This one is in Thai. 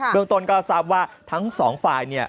เมืองต้นก็ทราบว่าทั้งสองฝ่ายเนี่ย